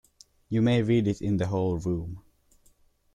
You may read it in the whole room.